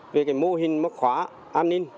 về cái mô hình móc khóa an ninh